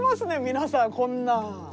皆さんこんな。